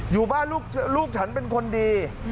อยู่บ้านลูกฉันเป็นคนดี